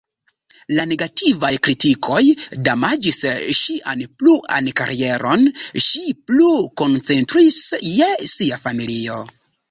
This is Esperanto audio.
La negativaj kritikoj damaĝis ŝian pluan karieron, ŝi plu koncentris je sia familio.